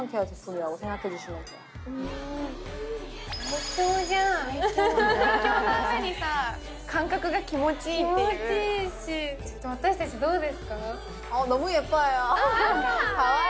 最強な上にさ感覚が気持ちいいっていう私たちどうですか？